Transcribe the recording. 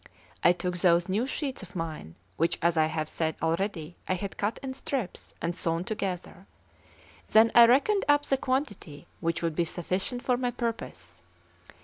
I took those new sheets of mine, which, as I have said already, I had cut in strips and sewn together; then I reckoned up the quantity which would be sufficient for my purpose.